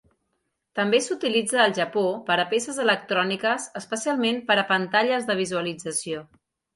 També s'utilitza al Japó per a peces electròniques, especialment per a pantalles de visualització.